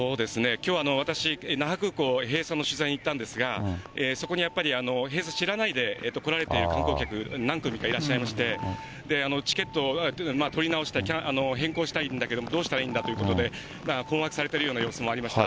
きょうは私、那覇空港、閉鎖の取材に行ったんですが、そこにやっぱり、閉鎖知らないで来られている観光客、何組かいらっしゃいまして、チケットを取り直したい、変更したいんだけども、どうしたらいいんだということで、困惑されているような様子もありました。